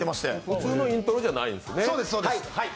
普通のイントロじゃないんですね。